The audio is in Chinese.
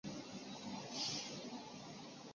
加兹罕在河中地区拥立新汗。